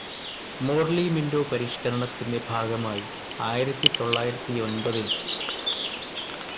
Morley-Minto പരിഷ്കരണത്തിന്റെ ഭാഗമായി ആയിരത്തി തൊള്ളായിരത്തി ഒമ്പതിൽ